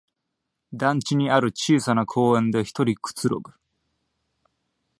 団地にある小さな公園でひとりくつろぐ